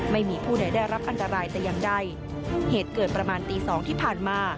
ไม่มีผู้ใดได้รับอันตรายแต่อย่างใดเหตุเกิดประมาณตีสองที่ผ่านมา